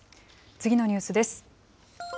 次のニュースです。